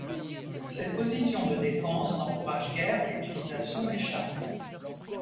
Cette position de défense n'encourage guère l'utilisation des chars.